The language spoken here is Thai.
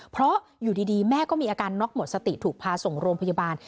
เพราะอยู่ดีแม่ก็มีอาการน็อกหมดสติถูกพาส่งโรงพยาบาล